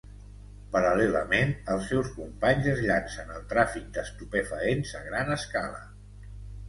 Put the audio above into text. Paral·lelament, els seus companys es llancen al tràfic d'estupefaents a gran escala.